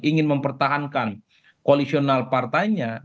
ingin mempertahankan koalisional partainya